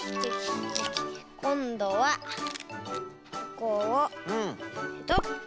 こんどはここをペトッと。